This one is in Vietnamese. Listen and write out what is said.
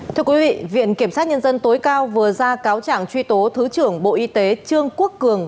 thưa quý vị viện kiểm sát nhân dân tối cao vừa ra cáo trạng truy tố thứ trưởng bộ y tế trương quốc cường